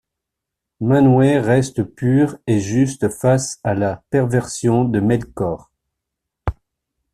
Manwë reste pur et juste face à la perversion de Melkor.